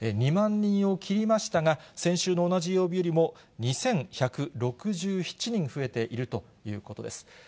２万人を切りましたが、先週の同じ曜日よりも２１６７人増えているということです。